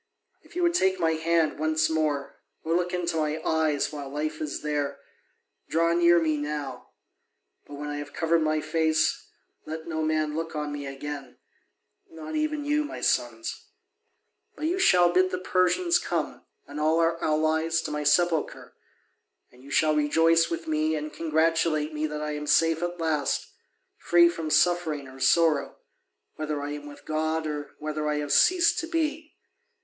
If you would take my hand once more, or look into my eyes while life is there, draw near me now; but when I have covered my face, let no man look on me again, not even you, my sons. But you shall bid the Persians come, and all our allies, to my sepulchre; and you shall rejoice with me and congratulate me that I am safe at last, free from suffering or sorrow, whether I am with God or whether I have ceased to be.